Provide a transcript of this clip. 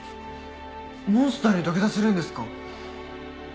モンスターに土下座するんですか？